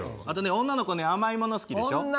あとね女の子ね甘いもの好きでしょ。